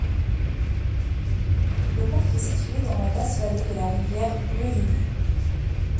Le parc est situé dans la basse vallée de la rivière Ruvubu.